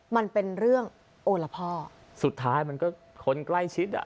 มันเป็นเรื่องโอละพ่อสุดท้ายมันก็คนใกล้ชิดอ่ะ